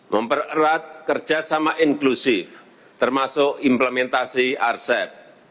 mempererat kerjasama inklusif termasuk implementasi arsep